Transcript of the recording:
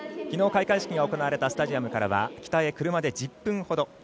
きのう開会式が行われたスタジアムからは北へ車で１０分ほど。